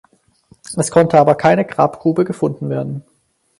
Es konnte aber keine Grabgrube gefunden werden.